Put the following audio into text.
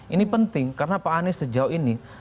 ini penting karena pak anies sejauh ini